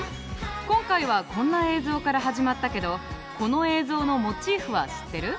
今回はこんな映像から始まったけどこの映像のモチーフは知ってる？